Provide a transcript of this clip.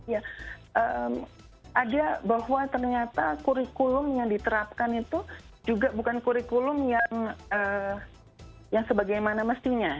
ya ada bahwa ternyata kurikulum yang diterapkan itu juga bukan kurikulum yang sebagaimana mestinya